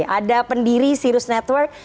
ada pendiri sirus network